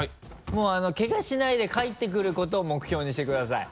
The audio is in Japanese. もうけがしないで帰ってくる事を目標にしてください。